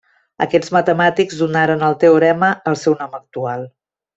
Aquests matemàtics donaren al teorema el seu nom actual.